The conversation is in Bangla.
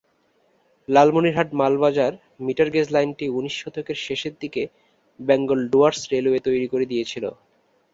লালমনিরহাট-মালবাজার মিটার গেজ লাইনটি উনিশ শতকের শেষের দিকে বেঙ্গল ডুয়ার্স রেলওয়ে তৈরি করে দিয়েছিল।